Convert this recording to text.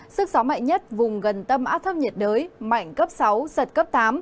sức gió mạnh nhất vùng gần tâm áp thấp nhiệt đới mạnh cấp sáu giật cấp tám